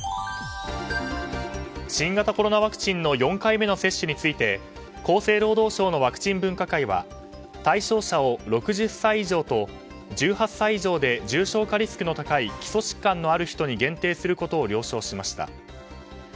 新型コロナワクチンの４回目の接種について厚生労働省のワクチン分科会は対象者を６０歳以上と１８歳以上で重症化リスクの高い基礎疾患のある人に限定することを了承しました。